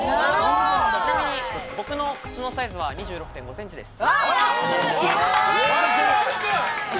ちなみに僕のこのサイズは２６．５ｃｍです。